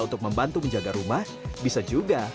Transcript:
untuk membantu menjaga rumah bisa juga